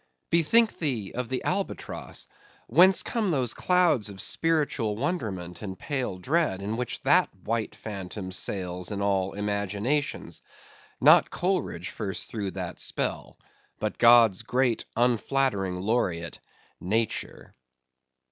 Bethink thee of the albatross, whence come those clouds of spiritual wonderment and pale dread, in which that white phantom sails in all imaginations? Not Coleridge first threw that spell; but God's great, unflattering laureate, Nature.